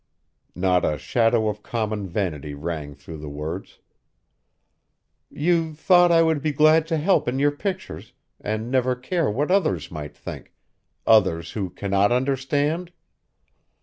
Not a shadow of common vanity rang through the words. "You thought I would be glad to help in your pictures and never care what others might think, others who cannot understand?